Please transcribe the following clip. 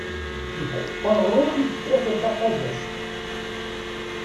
Deg uqerru-k i tekkateḍ taqabact.